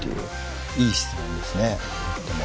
いい質問ですねとても。